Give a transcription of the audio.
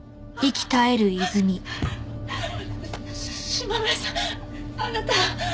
島村さんあなた。